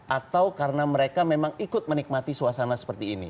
atau karena mereka memang ikut menikmati suasana seperti ini